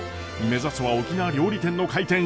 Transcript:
目指すは沖縄料理店の開店！